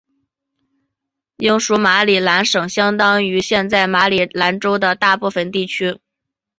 英属马里兰省相当于现在马里兰州的大部分地区。